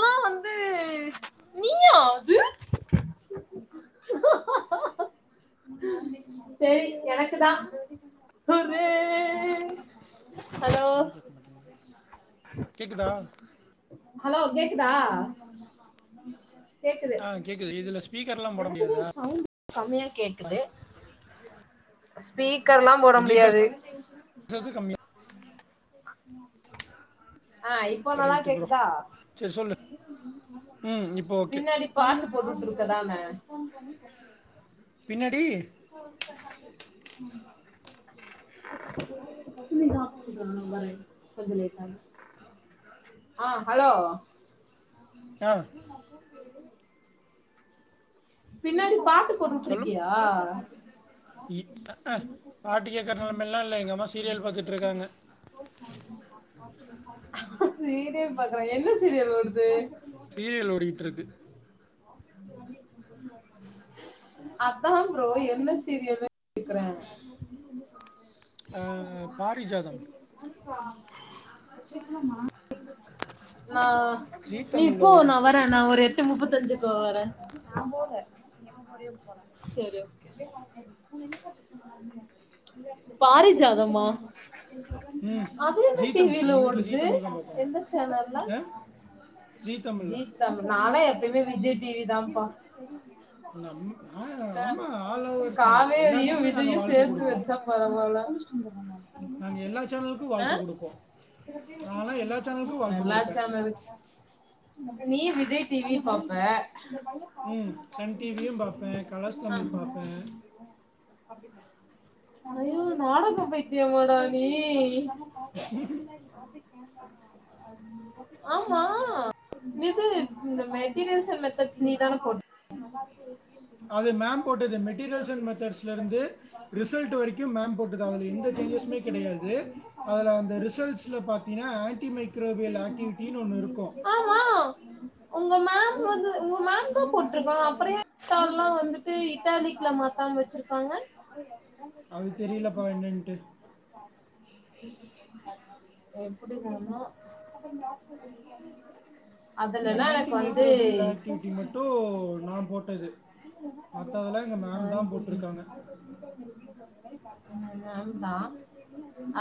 நா வந்து நீயா அது சரி எனக்குதா ஒரே ஹலோ சத்தமே கேக்க மாட்டேங்கு கேக்குதா ஹலோ கேக்குதா கேக்குது ஆ கேக்குது இதுல ஸ்பீக்கர்லா போட முடியாதா சமையா கேக்குதே ஸ்பீக்கர்ல்லா போட முடியாது ட்டது கம்யா [inaudible] ஆ இப்போ நல்லா ரைட்டு ப்ரோ கேக்குதா சரி சொல்லு ம் இப்போ ஓகே பின்னாடிப் பாட்டு போட்டுட்ருக்கதான பின்னாடி ம் நி சாப்டு ஆ ஹலோ ஆ பின்னாடி பா சொல்லும் இ பாட்டு கேககற் நெலமல்லா இல்ல எங்க அம்மா சீரியல் பாத்துட்ருக்காங்க சீரியல் பாக்குறே என்ன சீரியல் வர்தே சீரியல் ஓடிட்ருக்கு [unintelligible] அத்தா ப்ரோ என்ன சீரியல்லு இக்றே அ பாரிஜாதம் நா ஜீ நீ இப்போ தமிழில் ஓடிட்டு நான் வரே இருக்கு நான் ஒரு எட்டு முப்பத்தஞ்சுக்கு வரே சரி ஓகே [unintelligible] பாரி ஜாதம்மா ம் அது என்ன ஜீ டி வி தமிழ் ல எங்கள் வீட்டில் ஜீ ஓடுது தமிழ் தான் பார்ப்பாங்க எந்த சேனல்ல ஆ ஜீ தமிழ்ல தமிழ் நால்லா எப்பயுமே விஜய் டி வி தாம்ப்பா நம்ம நான் அம்மா ஆல் ஓவர் சேனல் காவேரியு எல்லாத்துக்குமே விஜையு நாங்கள் வாழ்க்கை சேத்து வச்சோ பரவால்ல நாங்க எல்லா சேனலுக்கு ஆ வாழ்க்க குடுக்குவோ நால்லா எல்லா சேனலுக்கு வாழ்க்க எல்லா குடுப்பே சேனலு நீ விஜய் டி வி பாப்ப ம் சன் டி வி யு பாப்பே கலர்ஸ் தமிழ் பாப்பே ஐய்யோ நாடக பைத்தியமாடா நீ உஹ ஆமா இது இந்த மெ ட்டிரியல்ஸ் அன் மெத்தட் நீதான போட் அது மேம் போட்டது மெட்டீரியல்ஸ் அன் மெத்தட்ஸ்ல இருந்து ரிசல்ட் வரைக்கும் மேம் போட்டது அதுல எந்த சேன்ஜஸ்மே கெடையாது அதுல அந்த ரிசல்ஸ்ல பாத்தியின்னா ஆன்டி மைக்ரோவியல் ஆக்டிவிட்டின்னு ஒன்னு இருக்கு ஆமா உங்க மேம் வந்து உங்க மேம்தா போட்டிருக்காங்க அப்பறோ ஏ ட்டால்லா வந்துட்டு இட்டாலிக்குல மாத்தாம வச்சிருக்காங்க அது தெரியலப்பா என்னன்ட்டு எப்புடி வேணா அதுலல்லா எனக்கு வந் க்ரோபியல் ஆக்டிவிட்டி மட்டு நா போட்டது மத்ததெல்லா எங்க மேம்தா போட்ருக்காங்க உங்க மேம்தா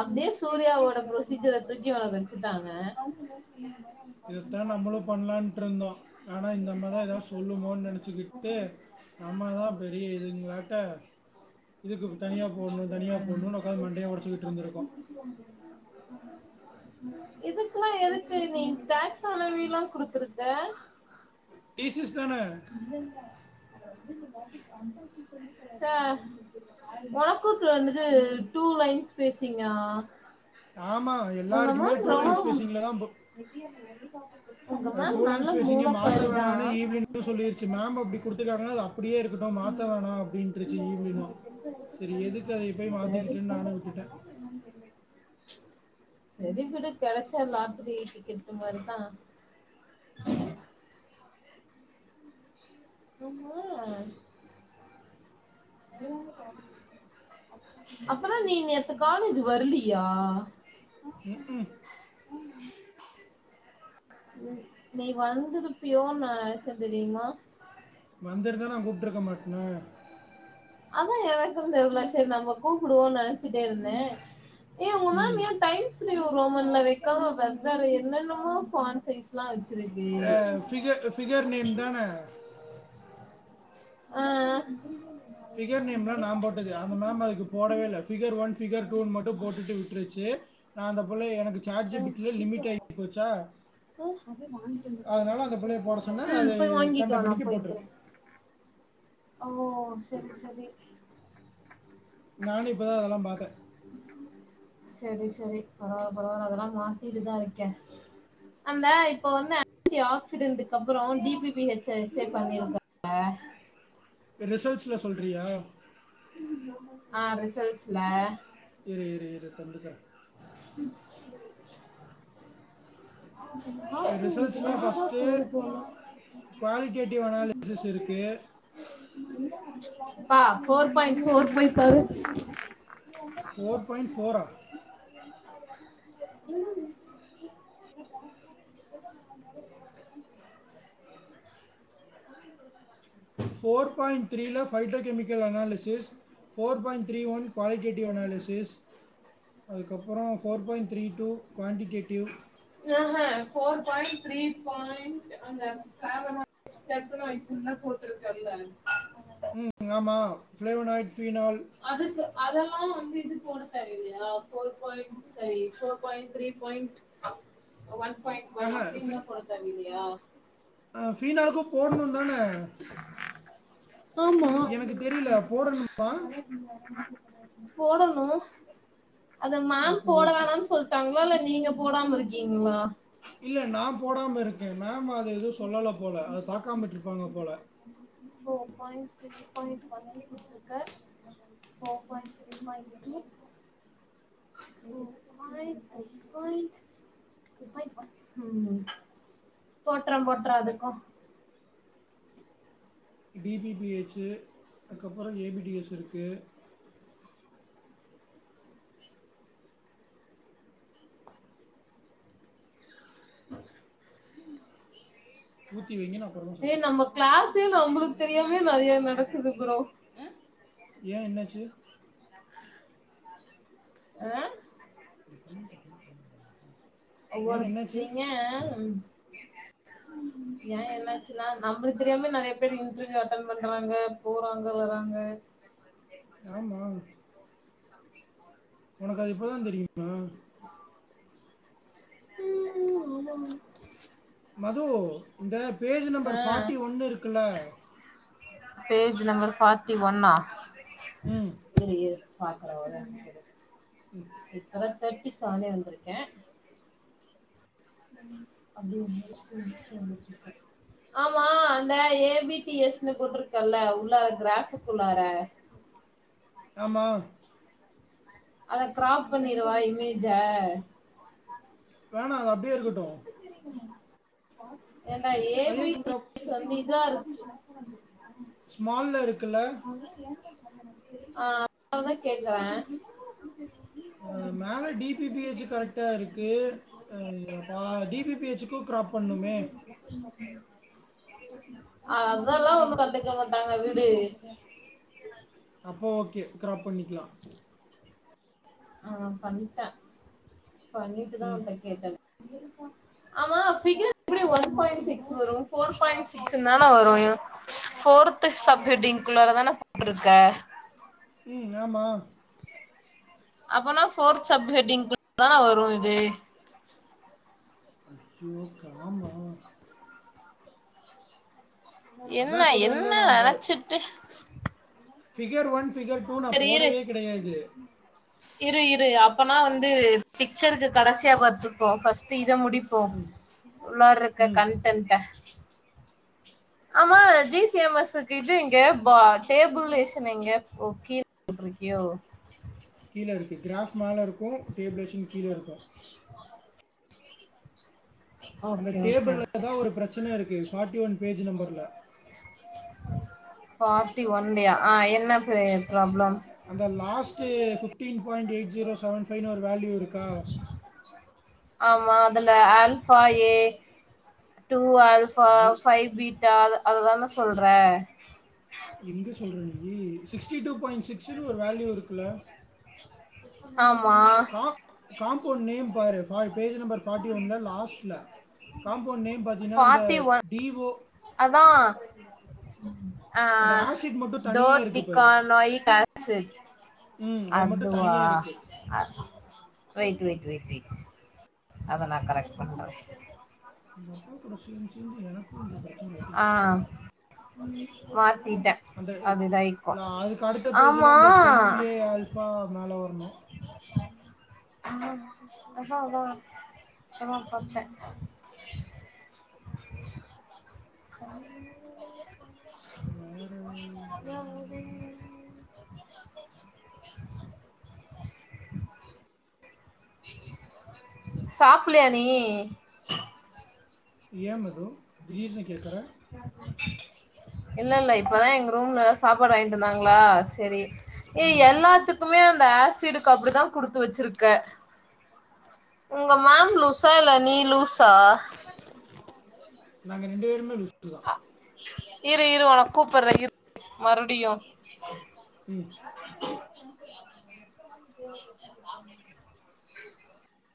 அப்டியே சூர்யாவோட ப்ரொசீஜர தூக்கி உனக்கு வச்சுட்டாங்க ரச முங்க அ [inaudible] இதத்தா நம்மளு பண்ணலான்ட்டு இருந்தோ ஆனா இந்த அம்மாதா எதாவ் சொல்லுமோ நெனச்சுக்கிட்டு நம்மாதா பெரிய இதுங்காட்ட இதுக்கு தனியா போடனு தனியா போடணுன்னு உக்காந்து மண்டைய ஒடச்சிக்கிட்டு இருந்துருக்கோ இதுக்குல்லா எதுக்கு நீ டேக்ஸ் அளவில்லா குடுத்துருக்க டீசிஸ் தானே சே ஒனக்கூ டு வந்துடு டூ லைன்ஸ் ஸ்பேசீங்க ஆமா எல்லாருக்குமே டூலைன்ஸ் ஸ்பேஸிங்கிலதா போ நித்யா என்ன ஒரே காப்பி அது டூ லைன்ஸ் ஸ்பேசிங்கு மாத்த வேணான்னு ஈவினி சொல்லிருச்சு மேம் அப்டி குடுத்துக்காங்க அது அப் அப்டியே இருக்கட்டு மாத்த வேணா அப்டின்ட்டுருச்சு ஈவ்லினு செரி எதுக்கு அதை போய் மாத்திக்கிட்டேன்னு நானு விட்டுட்டே என்னன்னு தெரியல செரி விடு கெடச்சா லாட்ரி டிக்கெட்டு மார்தா சும்மா எல்லாரு [inaudible] அப்பன்னா நீ நேத்து காலேஜ் வர்லியா ம் ம் ம் நீ வந்திருப்பியோன்னு நா நெனச்சே தெரியுமா வந்துருந்தா நா கூப்ட்டுருக்க மாட்டேனா அதா எனக்கு தெர்ல சரி நம்ம கூப்புடுவோனு நெனச்சிட்டே இருந்தே ஏ உங்க மேம் ம் ஏ டைம்ஸ் நியூ ரோமன்ல வைக்காம வெவ் வேற என்னென்னமோ ஃபான்ட்ஸ் சைஸ் ல்லா வெச்சிருக்கு அ ஃபிகர் ஃபிகர் நேம் தானே ஆ ஃபிகர் நேம்லா நா போட்டது அந்த மேம் அதுக்கு போடவே இல்ல ஃபிகர் ஒன் ஃபிகர் டூன்னு மட்டு போட்டுட்டு விட்ருச்சு நா அந்த போல எனக்கு சாட் ஜி ஆ பி டிலயு லிமிட் ஆகி போச்சா ம் அதனால அந்த பிள்ளைய போட சொன்னேன் அது போய் வாங்கிட்டு வா நா கண்டமேடிக்கு போய்க்கிறே போட்டிருக்கு ஓ சரி சரி நானு இப்போதா அதெல்லா பாத்தே சரி சரி பரவால பரவால அதெல்லா மாத்திட்டுதா இருக்கே அந்த இப்ப வந்து ஆன்டி ஆக்சிடென்க்கு அப்புறோ டி பி பி எக்ஸைஸே பண்ணிருக்க அ ரிசல்ட்ஸ்ல சொல்றியா அ ரிசல்ட்ஸ்ல இரு இரு இரு கண்டுக்கற ம் இன்னைக்கு ரிசல்ட்ஸ்ல நெறைய தா ஃபர்ஸ்ட்டு சோறு போட்ணு குவாலிட்டேட்டிவ் அனாலிசிஸ் இருக்கு பா ஃபோர் பாயிண்ட் ஃபோர் [inaudible] பாரு ஃபோர் பாயிண்ட் ஃபோர் ஆ ஃபோர் பாயிண்ட் த்ரீல phytochemical analysis four point three one qualitative analysis அதுக்கப்புறோ four point three two quantitative அஹா ஃபோர் பாயிண்ட் த்ரீ பாயி்ண்ட் அந்த ஃபாரகா [unintelligible] வெச்சுன்லா போட்டுருக்கல ஆமா ஃபிளேவுனோய்ட் ஃபீனால் அதுக்கு அதெல்லா வந்து இது போட தேவ இல்லையா ஃபோர் பாயி் சரி four point three point one point one ஆஹா அப்டின்ல்லா போட தேவ இல்லையா அ ஃபீ நாக்கு போட்ணு தானே ஆமா எனக்கு தெரியல போடணுமா போடணு அத மேம் அப்போ போட ஓகே வேணானு சொல் டாங்ளோ இல்ல நீங்க போடாம இருக்கீங்களா இல்ல நா போடாம இருக்கே மேம் அத எதுவு சொல்லல போல அத பாக்காம விட்ருபாங்க போல ஃபோர் பாயிண்ட் த்ரி பாயிண்ட் [unintelligible] இருக்கு four point three minus point three point [unintelligible] ட்றம் போட்று அதுக்கு டி பி பி ஹெச்சு அதுக்கப்புறோ ஏ பி டி எஸ் இருக்கு ஆஹ ஊத்தி வைங்க நா அப்பறமா ஏ சொல்றேன் நம்ம கிளாஸே நம்மளுக்கு தெரியாமே [unintelligible] என்ன நெறைய பண்றது நடக்குது ப்ரோ ஏ என்னாச்சு அ ஏன் என்னாச்சு ஒருச்சிங்க ஏ என்னாச்சுன்னா நம்மளுக்கு தெரியாமே நறைய பேர் இன்டர்வியூ அட்டன் பண்றாங்க போறாங்க வராங்க ஆமா உனக்கு அது இப்பதா தெரியுமா ம் ம் ஆமாம் மது இந்த பேஜ் ஆ நம்பர் ஃபாட்டி ஒன் இருக்குல பேஜ் நம்பர் ஃபார்ட்டி ஒன்னா ம் இரு இரு பாக்குறே ஒரே நிமிஷ இரு ம் இப்பதா தேர்ட்டி செவனே வந்திருக்கே அப்டியே இரு [unintelligible] ஆமா அந்த ஏ பி டி எஸ் ன்னு போட்டிருக்கல்ல உள்ளார கிராஃப்க்குள்ளார ஆமா அத க்ராப் பண்ணிறவா இமேஜ வேணா அது அப்டியே இருக்கட்டு ஏன்டா ஏ அது பி ஏன் டி கர சொன்னிதா இருக் ஸ்மால்ல இருக்குல ஆ [inaudible] தா கேக்குறே ஆ மேல டி பி பி ஹச் கரெக்டா இருக்கு பா டி பி பி ஹெச்சுக்கு கிராப் பண்னுமே ஆ அதெல்லா ஒண்ணு கண்டுக்க மாட்டாங்க விடு அப்போ ஓகே க்ராப் பண்ணிக்கலா ஆ பண்டே பண்ணிட்டுதா ம் உன்ட்ட கேட்டே ஆமா ஃபிகர் எப்டி ஒன் பாயிண்ட் சிக்ஸ் வரு ஃபோர் பாயிண்ட் சிக்ஸ்னு தானே வரு ஃபோர்த்து சப்ஹெட்டிங்குள்ளாரதான போட்ருக்க ம் ஆமா அப்போனா ஃபோர் சப் ஹெட்டிங் குள்ளாரதான வரு இது ஐயோ காமா என்ன அதான் என்ன சொல்றேன்ல நான் அந்த நினைச்சிட்டு ஃபிகர் ஒன் ஃபிகர் டூ நா செரி இரு போடவே கிடையாது இரு இரு அப்பனா வந்து பிக்சருக்கு கடசியா பாத்துப்போ ஃபஸ் ட்டு இத முடிப்போ ம் உள்ளாற இருக்க ம் கன்டென்ட்ட ஆமா ஜி சி எம் எஸ்ஸுக்கு இது எங்க டேபிளேஷன் எங்க ஓ கீழ போட்டு றிக்கியோ கீழருக்கு க்ராஃப் மேலருக்கு டேபிளேஷன் கீழ இருக்கு அந்த ஓகே ஓகே ஓகே டேபிள்லதா ஒரு பிரச்சன இருக்கு ஃபார்ட்டி ஒன் பேஜ் நம்பர்ல ஃபார்ட்டி ஒன்ட யா ஆ என்ன பெ ப்ராப்ளம் அந்த last fifteen point eight zero seven ஃபைவ்னு ஒரு வேல்யூ இருக்கா ஆமா அதுல alpha A two alpha five beta அத அதுதான சொல்ற எங்கே சொல்றே நீயி சிக்ஸ்டி டூ பாயிண்ட் சிக்ஸ்ஸுன் ஒரு வேல்யூ இருக்குல்ல ஆம்மா அ காம்பௌண்ட் நேம் பாரு ஃபை பேஜு நம்பர் ஃப் ஃபார்ட்டி ஒன் ல லாஸ்ட் ல காம்பௌண்ட் நேம் பாத்திங்கன்னா இந்த ஃபார்ட்டி ஒன் டி ஓ அதா ஆ ஆ அந்த ஆசிட் மட்டும் தனியா டோர் இருக்கு பாரு. டிக்கான் ஐ கேப்ஸூ ம். அது மட்டும் அத்துவா தனியா இருக்கு. அ வெயிட் வெயிட் வெயிட் வெயிட் அத நா கரெக்ட் பண்ற இந்த அப்பா கூட சேர்ந்து சேர்ந்து எனக்கு இந்த பிரச்சனை ஒட்டிக்கிச்சு போல ம் மாத்திட்ட அந்த ல் லா அதுக்கு அடுத்த பேஜுல ஆமா இந்த டென் ஏ ஆல்ஃபா மேல வர்ணு அதா அதா இப்ப தா பாத்தே [inaudible] ம் [inaudible] சாப்பிட்லையா நீ ஏ மது திடீர்னு கேக்குற இல்ல இல்ல இப்பதா எங்க ரூம்ல்ல சாப்பாடு வாங்கிட்டு வந்தாங்களா தெரியு ஏ ம் எல்லாத்துக்குமே அந்த ஆசிடுக்கு அப்டிதா குடுத்து வெச்சிருக்க உங்க மேம் லூஸா இல்ல நீ லூஸா நாங்க ரெண்டு பேருமே லுசு தா அ இரு இரு உனக்கு கூப்பட்ற இரு மறுவடியு ம்